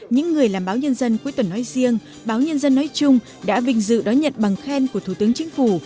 những người làm báo nhân dân cuối tuần nói riêng báo nhân dân nói chung đã vinh dự đón nhận bằng khen của thủ tướng chính phủ